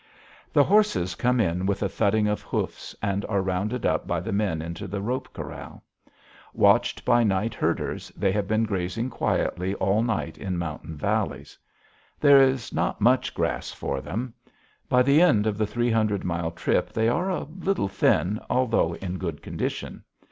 The horses come in with a thudding of hoofs and are rounded up by the men into the rope corral. Watched by night herders, they have been grazing quietly all night in mountain valleys. There is not much grass for them. By the end of the three hundred mile trip they are a little thin, although in good condition.